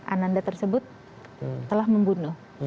ananda tersebut telah membunuh